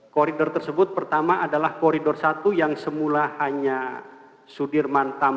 koridor tersebut pertama adalah koridor satu yang semula hanya sudirman tamr